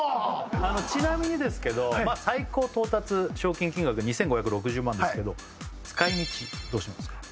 あのちなみにですけどまあ最高到達賞金金額２５６０万ですけど使い道どうしますか？